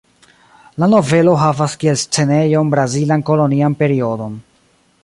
La novelo havas kiel scenejon brazilan kolonian periodon.